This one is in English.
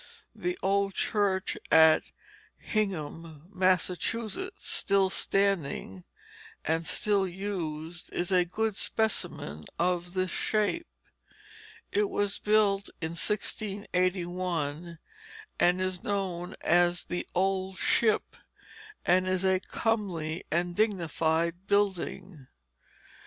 The old church at Hingham, Massachusetts, still standing and still used, is a good specimen of this shape. It was built in 1681, and is known as the "Old Ship," and is a comely and dignified building.